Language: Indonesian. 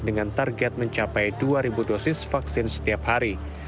dengan target mencapai dua dosis vaksin setiap hari